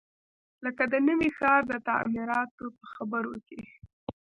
لکه د نوي ښار د تعمیراتو په برخو کې.